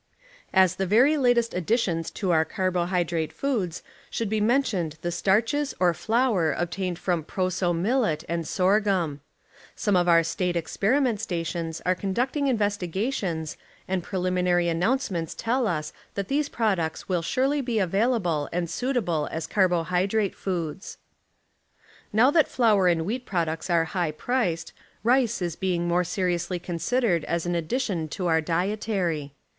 T, .,, As the very latest additions to our carbohv rroso millet c i ,* i i ,," 1 drate foods should be mentioned the starches or and , flour obtained from proso millet and sorghum. sorghum 0^0 Some of our State experiment stations are con ducting investigations and preliminary announcements tell us that these products will surely be available and suitable as car bohydrate foods. Now that flour and wheat products are high priced, rice is being more seriously considered as an addition to our dietary.